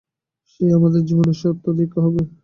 সেই আমাদের জীবনের সত্যদীক্ষা হবে।